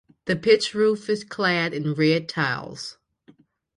The pitched roof is clad in red tiles.